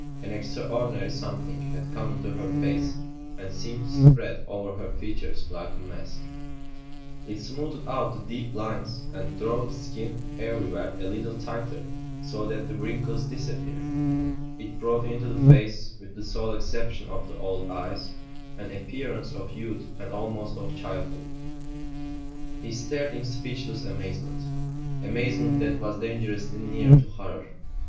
An extraordinary something had come into her face and seemed to spread over her features like a mask; it smoothed out the deep lines and drew the skin everywhere a little tighter so that the wrinkles disappeared; it brought into the face with the sole exception of the old eyes an appearance of youth and almost of childhood. He stared in speechless amazement amazement that was dangerously near to horror.